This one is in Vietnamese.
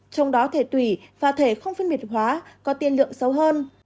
trong đó thể tủy và thể không phân biệt hóa có tiên lượng sâu hơn